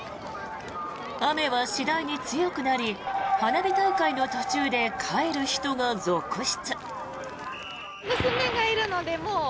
雨は次第に強くなり花火大会の途中で帰る人が続出。